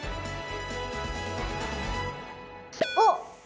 おっ！